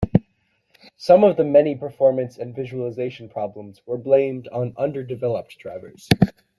Some of the many performance and visualization problems were blamed on underdeveloped drivers.